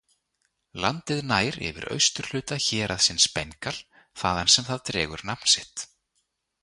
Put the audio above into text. Landið nær yfir austurhluta héraðsins Bengal þaðan sem það dregur nafn sitt.